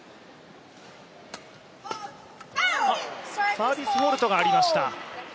サービスフォルトがありました。